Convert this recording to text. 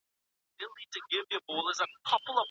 ولي مخامخ درسونه د انټرنیټي زده کړو په پرتله اغېزناک دي؟